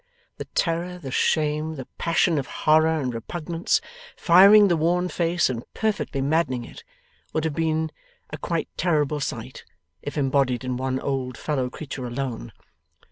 The terror, the shame, the passion of horror and repugnance, firing the worn face and perfectly maddening it, would have been a quite terrible sight, if embodied in one old fellow creature alone.